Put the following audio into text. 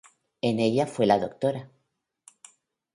En ella fue la Dra.